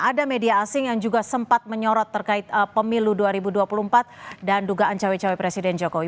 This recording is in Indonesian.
ada media asing yang juga sempat menyorot terkait pemilu dua ribu dua puluh empat dan dugaan cawe cawe presiden jokowi